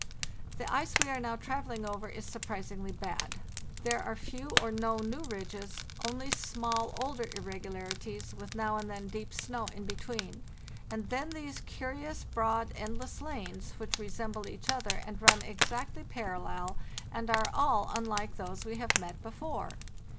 "The ice we are now travelling over is surprisingly bad. There are few or no new ridges, only small older irregularities, with now and then deep snow in between, and then these curious broad, endless lanes, which re semble each other, and run exactly parallel, and are all unlike those we have met before.